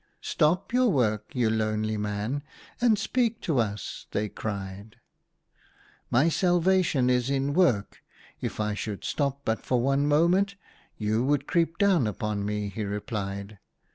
" Stop your work, you lonely man, and speak to us," they cried. "My salvation is in work. If I should stop but for one moment you would creep down upon me," he replied.